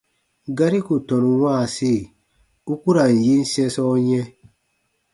Gari ku tɔnu wãasi, u ku ra n yin sɛ̃sɔ yɛ̃.